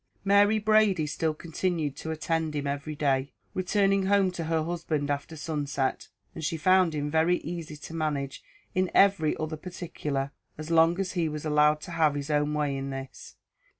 Mary Brady still continued to attend him every day, returning home to her husband after sunset, and she found him very easy to manage in every other particular, as long as he was allowed to have his own way in this.